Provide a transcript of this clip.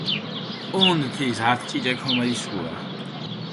ჸუნდჷ თის ართი ჭიჭე ქომოლისქუა.